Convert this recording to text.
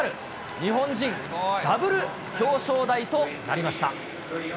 日本人、ダブル表彰台となりました。